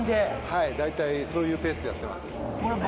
はい大体そういうペースでやってます。